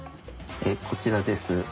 こちらです。